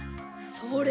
それ！